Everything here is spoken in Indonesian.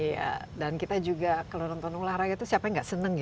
iya dan kita juga kalau nonton olahraga itu siapa yang gak senang ya